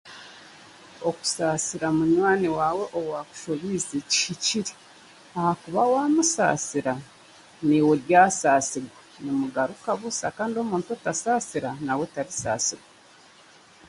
Okusaasira munywani waawe owaakushobiize kihikire ahakuba w'amusaasira niwe oryasaasibwa, nimugaruka busya kandi omuntu otasaasira nawe tarisaasibwa.